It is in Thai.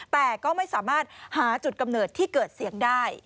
แต่ก็ไม่สามารถหาจุดกำเนิดที่เกิดเสียงได้